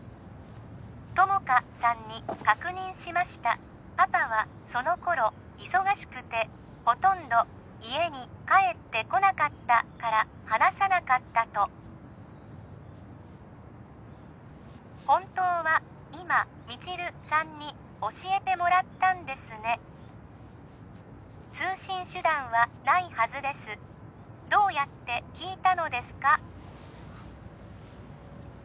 友果さんに確認しましたパパはその頃忙しくてほとんど家に帰ってこなかったから話さなかったと本当は今未知留さんに教えてもらったんですね通信手段はないはずですどうやって聞いたのですか？